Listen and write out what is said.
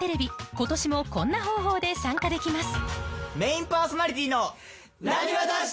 今年もこんな方法で参加できます